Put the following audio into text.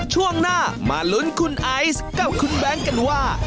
ช่วงหน้ามาลุ้นคุณไอซ์กับคุณแบงค์กันว่า